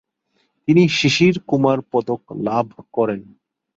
তিনি 'শিশির কুমার পদক' লাভ করেন।